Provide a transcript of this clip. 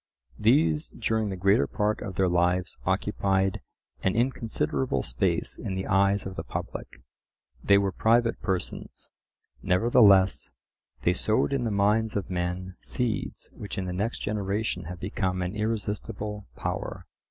These during the greater part of their lives occupied an inconsiderable space in the eyes of the public. They were private persons; nevertheless they sowed in the minds of men seeds which in the next generation have become an irresistible power.